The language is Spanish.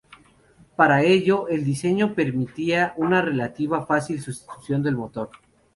Para ello, el diseño permitía una relativa fácil sustitución del motor.